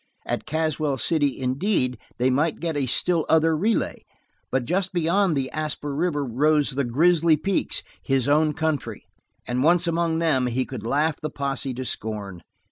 At Caswell City, indeed, they might get a still other relay, but just beyond the Asper River rose the Grizzly Peaks his own country, and once among them he could laugh the posse to scorn.